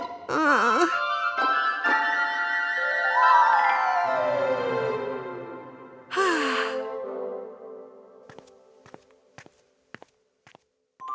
mengusupnya adalah putri raja magna